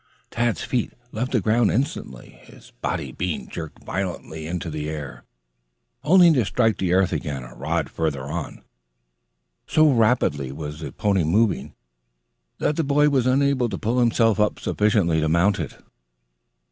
Tad's feet left the ground instantly, his body being jerked violently into the air, only to strike the earth again a rod further on. So rapidly was the pony moving, that the boy was unable to pull himself up sufficiently to mount it.